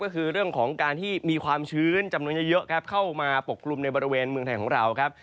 ก็คือเรื่องของการที่มีความชื้นจำนวนเยอะครับเข้ามาปกกลุ่มในบริเวณเมืองไทยของเราครับ